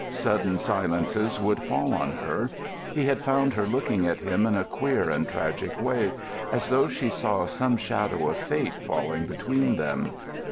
Sudden silences would fall on her. He had found her looking at him in a queer and tragic way, as though she saw some shadow of fate falling between them.